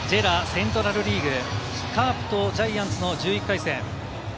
セントラルリーグ、カープとジャイアンツの１１回戦。